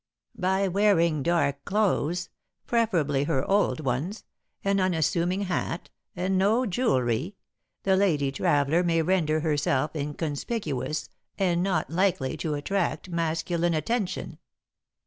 "'By wearing dark clothes, preferably her old ones, an unassuming hat, and no jewelry, the lady traveller may render herself inconspicuous and not likely to attract masculine attention.